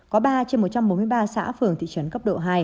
có ba trên một trăm bốn mươi ba xã phường thị trấn cấp độ hai